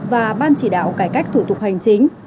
và ban chỉ đạo cải cách thủ tục hành chính